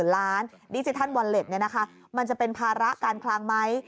๕๖๐๐๐๐ล้านดิจิทัลวอลเล็ตเนี่ยนะคะมันจะเป็นภาระการคลางไม้